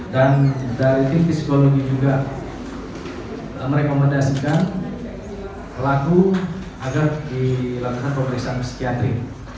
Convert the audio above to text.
dan ini psikologi juga merekomendasikan pelaku agar dilakukan pemeriksaan psikiatri